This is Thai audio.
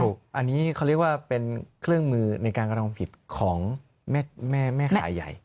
อันนี้เขาเรียกว่าเป็นเครื่องมือในการกระทำผิดของแม่ขายใหญ่